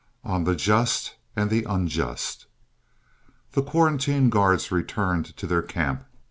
ON THE JUST AND THE UNJUST The quarantine guards returned to their camp.